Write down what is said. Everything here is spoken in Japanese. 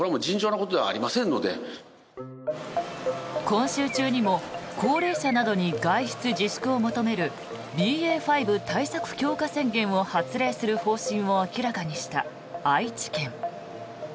今週中にも高齢者などに外出自粛を求めるＢＡ．５対策強化宣言を発令する方針を明らかにした愛知県。